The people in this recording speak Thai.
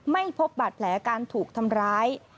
ไม่พบบาดแผลการถูกทำร้าย